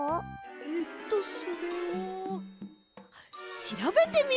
えっとそれはしらべてみます！